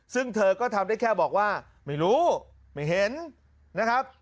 ซึ่งเธอก็ทำได้แค่บอกว่าไม่รู้ไม่เห็นนะครับ